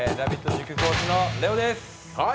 塾講師のＬＥＯです。